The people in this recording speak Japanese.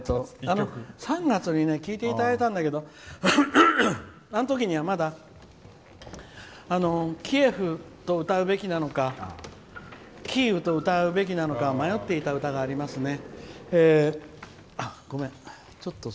３月に聴いていただいたんだけどあんときには、まだキエフと歌うべきなのかキーウと歌うべきなのか迷っていた歌がありますね。